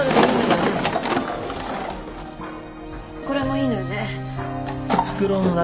これもいいのよね。